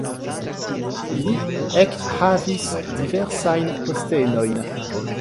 Li ekhavis diversajn postenojn.